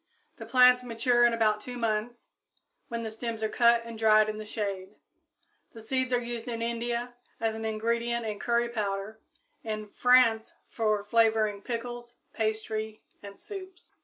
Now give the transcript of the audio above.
The plants mature in about two months, when the stems are cut and dried in the shade. (See page 28.) The seeds are used in India as an ingredient in curry powder, in France for flavoring pickles, pastry and soups.